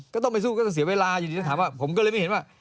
ก็ต้องไปสู้ก็ต้องเสียเวลาอยู่ดีถ้าถามว่าผมก็เลยไม่เห็นว่า